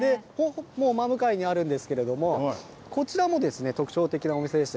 真向かいにあるんですけれども、こちらも特徴的なお店です。